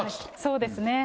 そうですね。